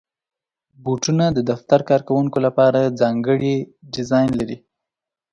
بوټونه د دفتر کارکوونکو لپاره ځانګړي ډیزاین لري.